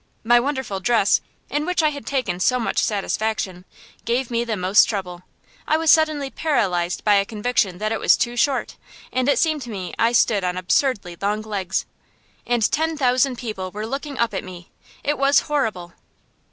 My wonderful dress, in which I had taken so much satisfaction, gave me the most trouble. I was suddenly paralyzed by a conviction that it was too short, and it seemed to me I stood on absurdly long legs. And ten thousand people were looking up at me. It was horrible!